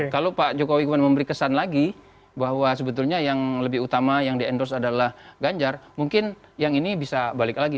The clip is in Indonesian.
kalau pak jokowi memberi kesan lagi bahwa sebetulnya yang lebih utama yang di endorse adalah ganjar mungkin yang ini bisa balik lagi